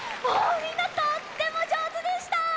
みんなとってもじょうずでした！